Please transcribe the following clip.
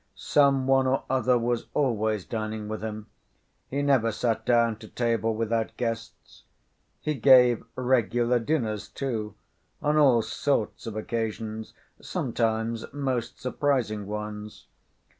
Some one or other was always dining with him; he never sat down to table without guests. He gave regular dinners, too, on all sorts of occasions, sometimes most surprising ones.